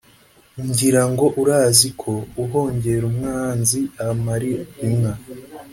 ngirango urazi ko “uhongera umwanzi amara inka”.